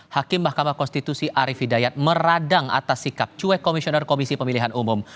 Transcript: hakim mahkamah konstitusi arief hidayat meradang atas sikap cuek komisioner komisi pemilihan umum